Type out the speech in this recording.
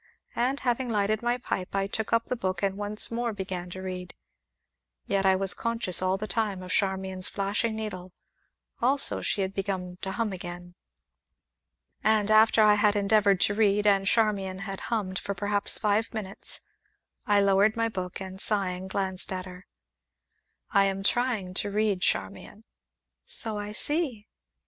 And having lighted my pipe, I took up the book, and once more began to read. Yet I was conscious, all the time, of Charmian's flashing needle, also she had begun to hum again. And, after I had endeavored to read, and Charmian had hummed for perhaps five minutes, I lowered my book, and, sighing, glanced at her. "I am trying to read, Charmian." "So I see."